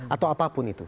atau apapun itu